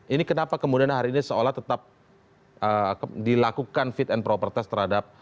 ini kenapa kemudian hari ini seolah tetap dilakukan fit and propertize